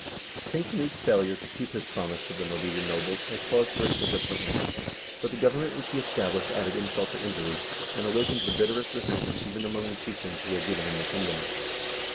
King Knut's failure to keep his promise to the Norwegian nobles had caused great disappointment, but the government which he established added insult to injury, and awakened the bitterest resentment even among the chieftains who had given him the kingdom.